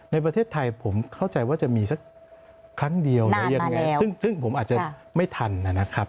ในประเทศไทยผมเข้าใจว่าจะมีสักครั้งเดียวหรือยังไงซึ่งผมอาจจะไม่ทันนะครับ